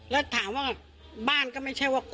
แล้วถามว่าบ้านก็ไม่ใช่ว่า